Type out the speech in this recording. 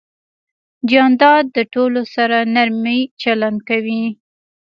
جانداد د ټولو سره نرمي چلند کوي.